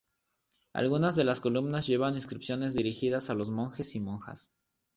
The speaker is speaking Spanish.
Algunas de las columnas llevan inscripciones dirigidas a los monjes y monjas.